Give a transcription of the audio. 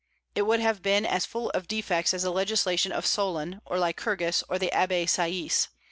It would have been as full of defects as the legislation of Solon or Lycurgus or the Abbé Sieyès.